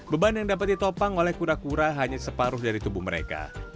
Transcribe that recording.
beban yang dapat ditopang oleh kura kura hanya separuh dari tubuh mereka